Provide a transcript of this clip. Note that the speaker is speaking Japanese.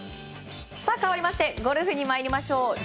かわりましてゴルフに参りましょう。